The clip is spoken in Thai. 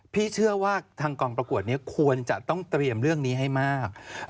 พี่เชื่อว่าทางกองประกวดนี้ควรจะต้องเตรียมเรื่องนี้ให้มาก